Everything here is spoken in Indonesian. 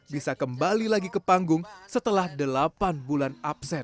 bisa kembali lagi ke panggung setelah delapan bulan absen